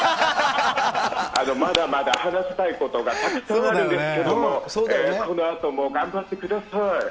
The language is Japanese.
まだまだ話したいことがたくさんあるんですけども、このあとも頑張ってください。